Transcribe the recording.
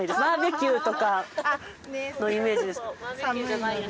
バーベキューとかのイメージです。